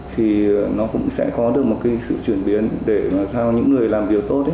thì nó cũng sẽ có được một cái sự chuyển biến để làm sao những người làm việc tốt ấy